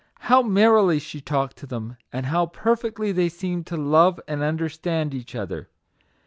How merrily she talked to them, and how perfectly they seemed to love and understand each other